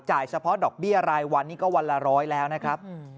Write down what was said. เฉพาะดอกเบี้ยรายวันนี้ก็วันละร้อยแล้วนะครับ